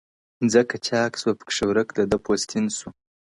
• مځكه چاك سوه پكښي ورك د ده پوستين سو ,